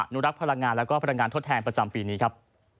นุรักษ์พลังงานแล้วก็พลังงานทดแทนประจำปีนี้ครับ